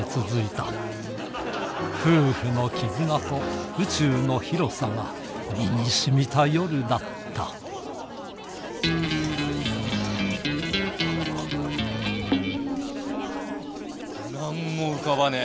夫婦の絆と宇宙の広さが身にしみた夜だった何も浮かばねえ！